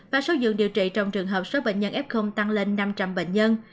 và số dưỡng điều trị trong trường hợp số bệnh nhân f tăng lên năm trăm linh bệnh nhân